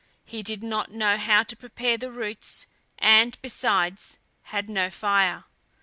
He did not know how to prepare the roots, and, besides, had no fire.